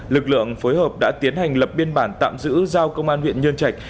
lực lượng phối hợp đã tiến hành lập biên bản tạm giữ giao công an huyện nhân trạch